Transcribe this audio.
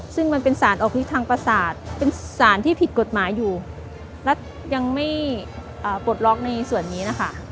ซึ่งมันเป็นสารออกพิษทางประสาทเป็นสารที่ผิดกฎหมายอยู่และยังไม่ปลดล็อกในส่วนนี้นะคะ